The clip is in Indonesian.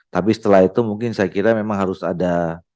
tapi setelah itu mungkin saya kira memang harus ada